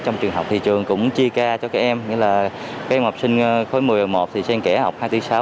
trong trường học thì trường cũng chia ca cho các em như là các em học sinh khối một mươi một mươi một thì xem kẻ học hai bốn sáu ba năm bảy